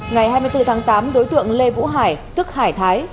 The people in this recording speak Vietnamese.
ngày hai mươi bốn tháng tám đối tượng lê vũ hải tức hải thái